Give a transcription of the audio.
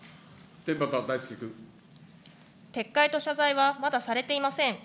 撤回と謝罪はまだされていません。